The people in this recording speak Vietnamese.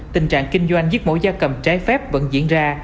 tình trạng kinh doanh giết mổ da cầm trái phép vẫn diễn ra